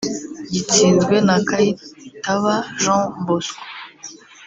gitsinzwe na Kayitaba Jean Bosco